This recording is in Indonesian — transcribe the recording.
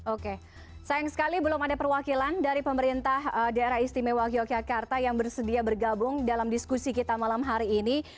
oke sayang sekali belum ada perwakilan dari pemerintah daerah istimewa yogyakarta yang bersedia bergabung dalam diskusi kita malam hari ini